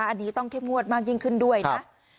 อันนี้ต้องเข้มงวดมากยิ่งขึ้นด้วยนะ